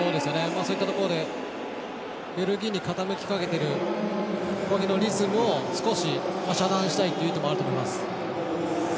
そういったところでベルギーに傾きかけてる攻撃のリズムを少し遮断したいというのもあると思います。